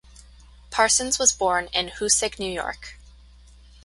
Parsons was born in Hoosick, New York.